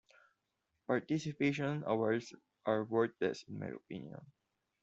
Participation awards are worthless in my opinion.